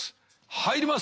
入ります。